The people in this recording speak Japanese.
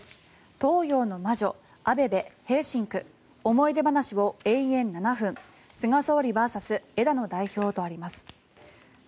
東洋の魔女、アベベ、ヘーシンク思い出話を延々７分菅総理ＶＳ枝野代表とあります。